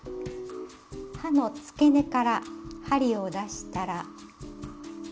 葉のつけ根から針を出したら。